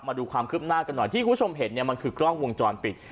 มาดูความคืบหน้ากันหน่อยที่คุณผู้ชมเห็นเนี่ยมันคือกล้องวงจรปิด